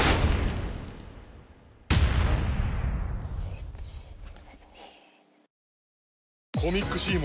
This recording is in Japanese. １２。